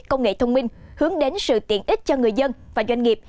công nghệ thông minh hướng đến sự tiện ích cho người dân và doanh nghiệp